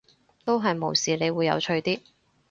都係無視你會有趣啲